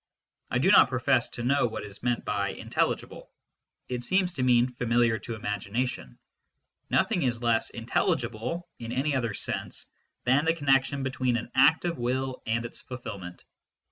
I do not profess to know what is meant by " intelligible "; it seems to mean " familiar to imagination." Nothing is less " intelli gible," in any other sense, than the connection between MYSTICISM AND LOGIC an act of will and its fulfilment.